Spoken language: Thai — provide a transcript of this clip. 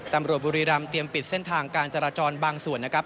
ตำรวจบุรีรำเตรียมปิดเส้นทางการจราจรบางส่วนนะครับ